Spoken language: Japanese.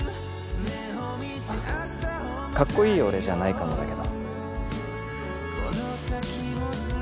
カッコいい俺じゃないかもだけど